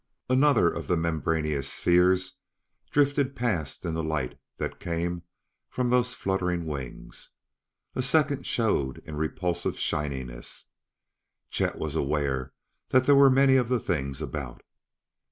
Another of the membraneous spheres drifted past in the light that came from those fluttering wings. A second showed in repulsive shininess. Chet was aware that there were many of the things about.